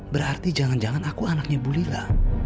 berarti jangan jangan aku anaknya bulila